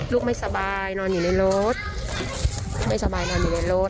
ไม่สบายนอนอยู่ในรถไม่สบายนอนอยู่ในรถ